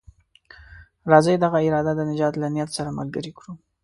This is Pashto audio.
راځئ دغه اراده د نجات له نيت سره ملګرې کړو.